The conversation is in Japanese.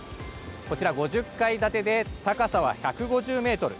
こちら５０階建てで高さは１５０メートル。